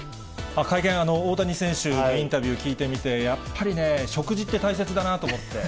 会見、大谷選手のインタビュー聞いてみて、やっぱりね、食事って大切だなぁと思って。